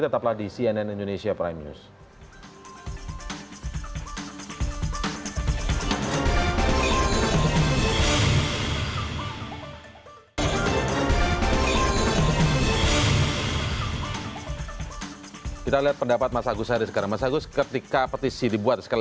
tetaplah di cnn indonesia prime news